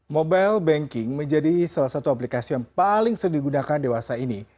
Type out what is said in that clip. mobile banking menjadi salah satu aplikasi yang paling sering digunakan dewasa ini